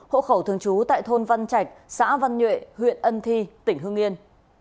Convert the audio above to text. hộ khẩu thường trú tại thôn văn trạch xã văn nhuệ huyện ân thi tỉnh hương yên